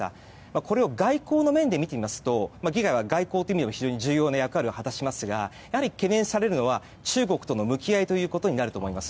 これを外交の面で見てみますと議会は外交的に重要な役割を果たすんですがやはり懸念されるのは中国との向き合いということになると思います。